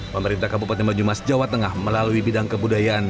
pemerintah kabupaten banyumas jawa tengah melalui bidang kebudayaan